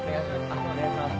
あっお願いします。